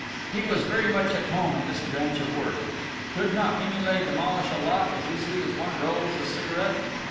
He was very much at home in this branch of work: could not Mimile demolish a lock as easily as one rolls a cigarette?